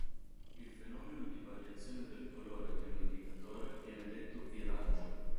Il fenomeno di variazione del colore di un indicatore viene detto "viraggio".